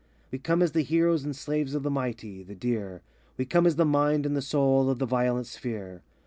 We come as the heroes and slaves of the Mighty, the Dear; We come as the mind and the soul of the violet Sphere.